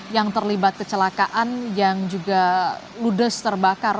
yang terlibat kecelakaan yang juga ludes terbakar